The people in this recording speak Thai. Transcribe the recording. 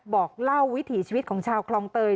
บอกเล่าวิถีชีวิตของชาวคลองเตย